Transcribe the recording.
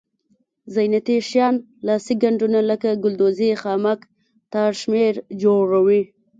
زینتي شیان لاسي ګنډونه لکه ګلدوزي خامک تار شمېر جوړیږي.